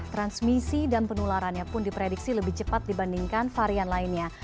transmisi dan penularannya pun diprediksi lebih cepat dibandingkan varian lainnya